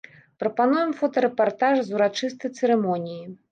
Прапануем фотарэпартаж з урачыстай цырымоніі.